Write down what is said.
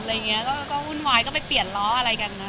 เขาก็หุ้นวายก็ไปเปลี่ยนล้ออะไรกัน